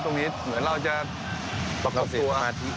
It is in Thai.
ต้องแจนเย็นสมาธิดี